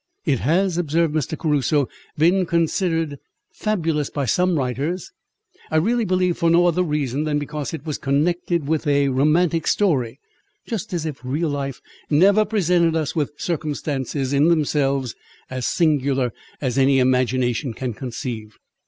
"It has," observed Mr. Crusoe, "been considered fabulous by some writers, I really believe for no other reason, than because it was connected with a romantic story; just as if real life never presented us with circumstances in themselves as singular as any imagination can conceive.